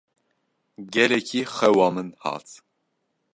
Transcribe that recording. Gelekî xewa min hat.